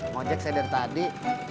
mau cek saya dari tadi